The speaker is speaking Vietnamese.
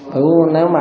bữa nếu mà